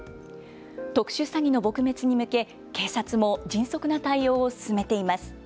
特殊詐欺の撲滅に向け警察も迅速な対応を進めています。